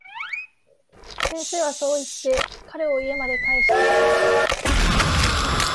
先生はそう言って、彼を家まで帰した。